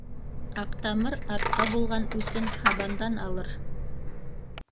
Аҡтамыр атҡа булған үсен һабандан алыр.